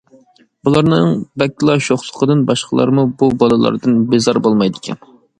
بۇلارنىڭ بەكلا شوخلۇقىدىن باشقىلارمۇ بۇ باللاردىن بىزار بولمايدىكەن.